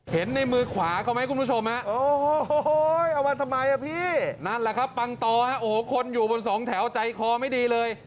เห็นในมือขวาเขาไหมคุณผู้ชมเอามาทำไมนั่นแหละครับปังตอคนอยู่บนสองแถวใจคอไม่ดีเลย